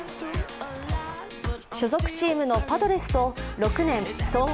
所属チームのパドレスと６年、総額